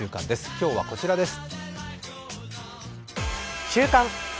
今日はこちらです。